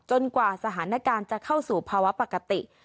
กว่าสถานการณ์จะเข้าสู่ภาวะปกติ